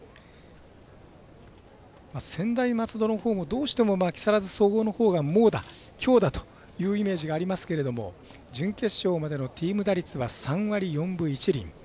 専大松戸のほうもどうしても木更津総合のほうが猛打、強打というイメージがありますけれども準決勝までのチーム打率は３割４分１厘。